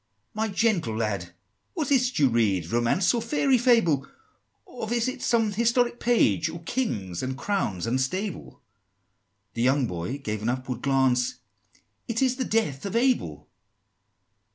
VIII. "My gentle lad, what is't you read Romance or fairy fable? Of is it some historic page, Or kings and crowns unstable?" The young boy gave an upward glance, "It is 'The Death of Abel.'"